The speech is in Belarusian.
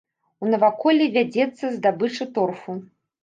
У наваколлі вядзецца здабыча торфу.